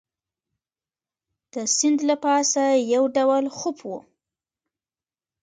د سیند له پاسه یو ډول خوپ وو.